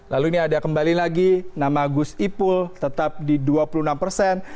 lalu ini ada kembali lagi nama gus ipul tetap di dua puluh enam persen